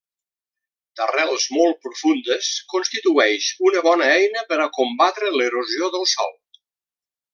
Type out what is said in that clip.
D'arrels molt profundes, constitueix una bona eina per a combatre l'erosió del sòl.